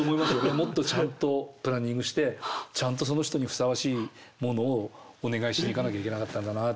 もっとちゃんとプランニングしてちゃんとその人にふさわしいものをお願いしに行かなきゃいけなかったんだなって